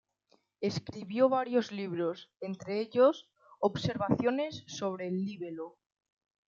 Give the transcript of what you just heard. Escribió varios libros, entre ellos "Observaciones sobre el libelo".